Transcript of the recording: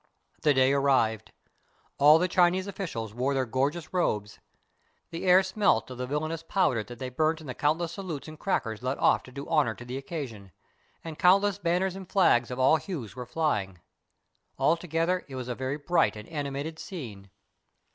The day arrived. All the Chinese officials wore their gorgeous robes. The air smelt of the villainous powder that they burnt in the countless salutes and crackers let off to do honor to the occasion, and countless banners and flags of all hues were flying. Altogether it was a very bright and animated scene.